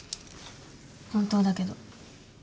本当だけど。